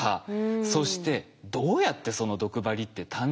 そしてどうやってその毒針って誕生したのか。